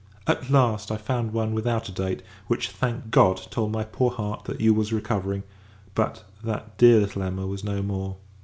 At last, I found one without a date: which, thank God! told my poor heart, that you was recovering; but, that dear little Emma was no more!